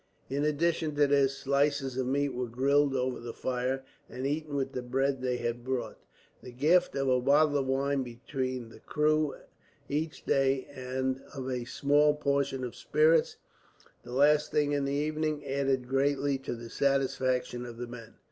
In addition to this, slices of meat were grilled over the fire, and eaten with the bread they had brought. The gift of a bottle of wine between the crew, each day; and of a small ration of spirits, the last thing in the evening, added greatly to the satisfaction of the men.